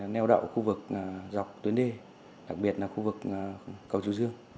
nèo đậu khu vực dọc tuyến đê đặc biệt là khu vực cầu chùa dương